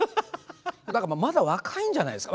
だからまだ若いんじゃないですか。